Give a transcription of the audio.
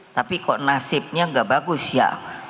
tapi kok nasibnya gak bagus ya